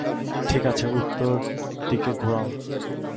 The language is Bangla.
ঠিক আছে, উত্তর দিকে ঘোরাও।